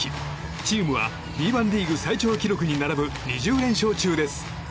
チームはＢ１リーグ最長記録に並ぶ２０連勝中です。